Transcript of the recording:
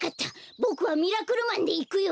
ボクはミラクルマンでいくよ！